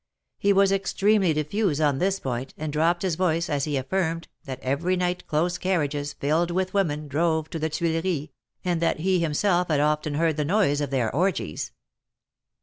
He was extremely diffuse on this point, and dropped his voice, as he affirmed, that every night close carriages, filled with women, drove to the Tuileries, and that he himself had often heard the noise of their orgies.